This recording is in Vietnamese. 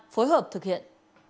phối hợp thực hiện